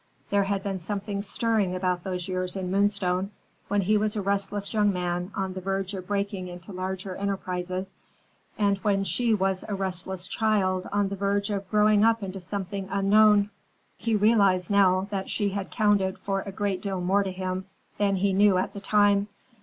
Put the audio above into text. There had been something stirring about those years in Moonstone, when he was a restless young man on the verge of breaking into larger enterprises, and when she was a restless child on the verge of growing up into something unknown. He realized now that she had counted for a great deal more to him than he knew at the time.